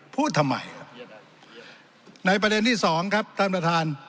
พูดทำไมครับในประเด็นที่สองครับท่านประธาน